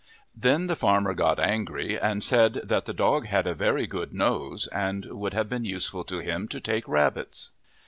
Then the farmer got angry and said that the dog had a very good nose and would have been useful to him to take rabbits.